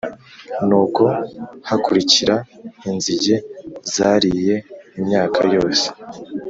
Nuko hakurikira inzige zariye imyaka yose